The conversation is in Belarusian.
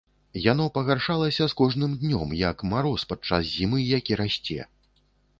Яно пагаршалася з кожным днём, як мароз падчас зімы, які расце.